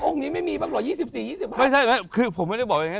องค์นี้ไม่มีบ้างหรอก๒๔๒๐บาท